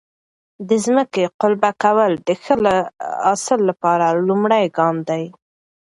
د ځمکې قلبه کول د ښه حاصل لپاره لومړی ګام دی.